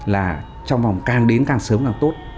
là trong vòng càng đến càng sớm càng tốt